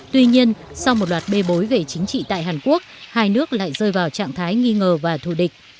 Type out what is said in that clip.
tuy nhiên sau một loạt bê bối về chính trị tại hàn quốc hai nước lại rơi vào trạng thái nghi ngờ và thù địch